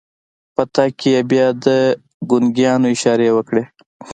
په تګ کې يې بيا د ګونګيانو اشارې وکړې.